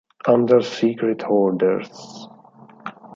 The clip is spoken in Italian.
Under Secret Orders